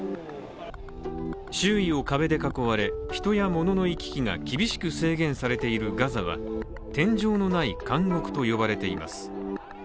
周囲を壁で囲われ人や物の行き来が厳しく制限されているガザは天井のない監獄と呼ばれています。